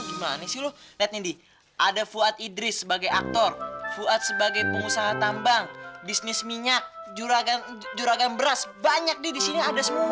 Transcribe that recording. gimana sih lu lihat nih ada fuad idris sebagai aktor fuad sebagai pengusaha tambang bisnis minyak curagan juragan beras banyak di sini ada semua